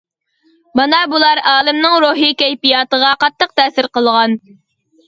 مانا بۇلار ئالىمنىڭ روھىي كەيپىياتىغا قاتتىق تەسىر قىلغان.